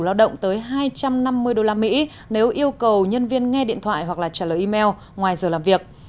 lao động tới hai trăm năm mươi đô la mỹ nếu yêu cầu nhân viên nghe điện thoại hoặc trả lời email ngoài giờ làm việc